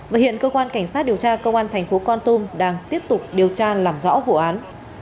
và hiện cơ quan cảnh sát điều tra công an thành phố con tum đang tiếp tục điều tra làm rõ vụ án